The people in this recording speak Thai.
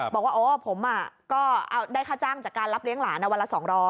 บอกว่าโอ้อ่อผมอ่ะก็เอาได้ค่าจังจากการรับเลี้ยงหลานวันละ๒๐๐